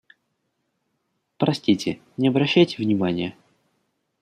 Простите, не обращайте внимания.